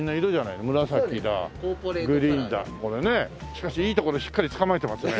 しかしいいところをしっかりつかまえてますね。